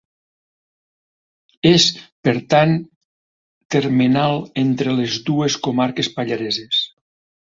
És, per tant termenal entre les dues comarques pallareses.